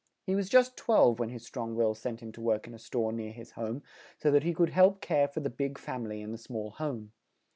He was just twelve when his strong will sent him to work in a store near his home, so that he could help care for the big fam i ly in the small home.